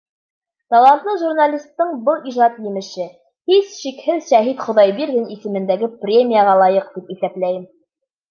Талантлы журналистың был ижад емеше, һис шикһеҙ, Шәһит Хоҙайбирҙин исемендәге премияға лайыҡ, тип иҫәпләйем.